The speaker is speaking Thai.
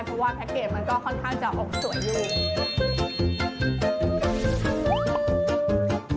เพราะว่าแพ็คเกจมันก็ค่อนข้างจะออกสวยอยู่